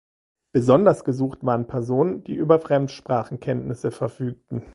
Besonders gesucht waren Personen, die über Fremdsprachenkenntnisse verfügten.